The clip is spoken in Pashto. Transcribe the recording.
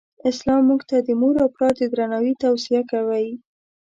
اسلام مونږ ته د مور او پلار د درناوې توصیه کوی.